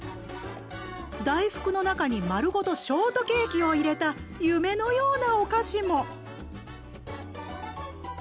大福の中に丸ごとショートケーキを入れた夢のようなお菓子も。